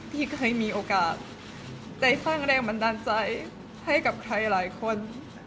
ที่เคยมีโอกาสได้สร้างแรงบันดาลใจให้กับใครหลายคน